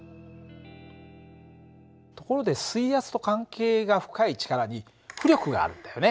ところで水圧と関係が深い力に浮力があるんだよね。